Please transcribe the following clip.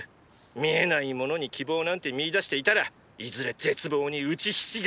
見えないものに希望なんて見いだしていたらいずれ絶望に打ちひしがれる！